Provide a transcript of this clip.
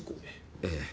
ええ。